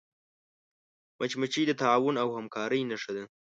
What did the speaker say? مچمچۍ د تعاون او همکاری نښه ده